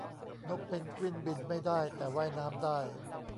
นกเพนกวินบินไม่ได้ แต่ว่ายน้ำได้